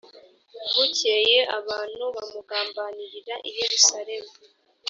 bukeye abantu bamugambanirira i yerusalemu